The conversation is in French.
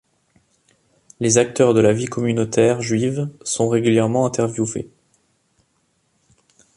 Les acteurs de la vie communautaire juive sont régulièrement interviewés.